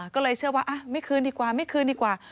ก็เลยเชื่อว่าไม่คืนดีกว่าไม่คืนดีกว่า